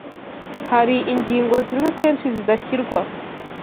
Hari ingingo zimwe akenshi zidashyirwa